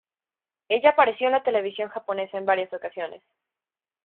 Ella apareció en la televisión japonesa en varias ocasiones.